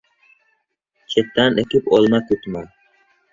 • Chetan ekib olma kutma.